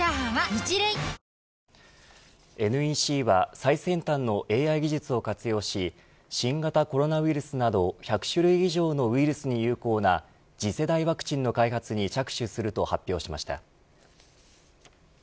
ＮＥＣは最先端のＡＩ技術を活用し新型コロナウイルスなど１００種類以上のウイルスに有効な次世代ワクチンの開発に着手すると発表しました。